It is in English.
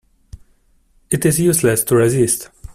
It is useless to resist.